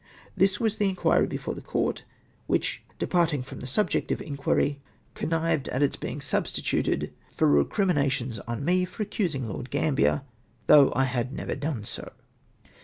This was ■ the in quiry before the court, which, departing from the subject of inquiry, connived at its being substituted for recrimi iiations on me for accusing Lord Gambier — though I had never done so.